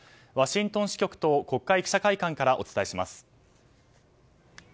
ワシントン支局と国会記者会館からお伝えします。